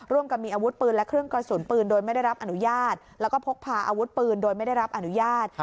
กับมีอาวุธปืนและเครื่องกระสุนปืนโดยไม่ได้รับอนุญาตแล้วก็พกพาอาวุธปืนโดยไม่ได้รับอนุญาต